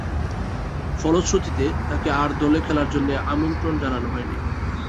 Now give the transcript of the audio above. ফলশ্রুতিতে, তাকে আর দলে খেলার জন্যে আমন্ত্রণ জানানো হয়নি।